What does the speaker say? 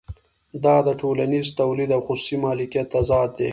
دا د ټولنیز تولید او خصوصي مالکیت تضاد دی